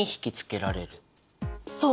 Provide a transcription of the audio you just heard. そう。